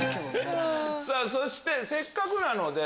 そしてせっかくなので。